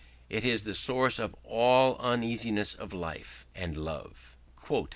It is the source of all uneasiness, of life, and of love.